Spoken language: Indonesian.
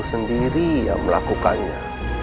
sendiri yang melakukannya